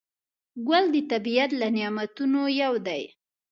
ګل د طبیعت له نعمتونو یو دی.